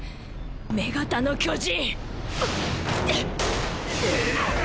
女型の巨人。